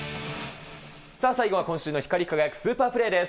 さあ、最後は今週の光り輝くスーパープレーです。